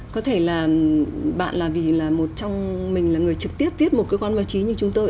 có thể là bạn là vì là một trong mình là người trực tiếp viết một cơ quan báo chí như chúng tôi